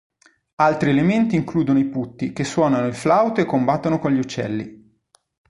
Altri elementi includono i putti che suonano il flauto e combattono con gli uccelli.